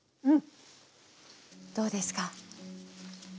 どうですか？